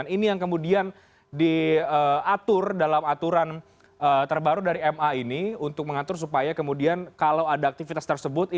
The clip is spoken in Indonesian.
ini yang kemudian diatur dalam aturan terbaru dari ma ini untuk mengatur supaya kemudian kalau ada aktivitas tersebut